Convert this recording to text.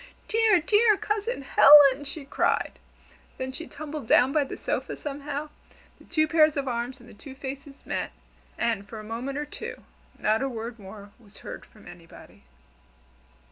dear, dear Cousin Helen!" she cried. Then she tumbled down by the sofa somehow, the two pairs of arms and the two faces met, and for a moment or two not a word more was heard from anybody.